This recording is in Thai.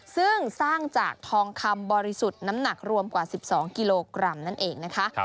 ซึ่งสร้างจากทองคำบริสุทธิ์น้ำหนักรวมกว่า๑๒กิโลกรัมนั่นเองนะคะ